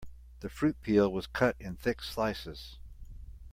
The fruit peel was cut in thick slices.